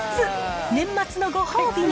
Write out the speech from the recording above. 年末のご褒美に！